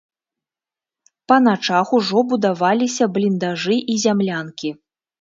Па начах ужо будаваліся бліндажы і зямлянкі.